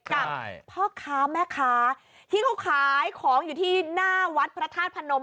กับพ่อค้าแม่ค้าที่เขาขายของอยู่ที่หน้าวัดพระธาตุพนม